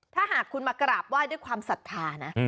ถ้าหากคุณมากราบไหว้ด้วยความศรัทธานะ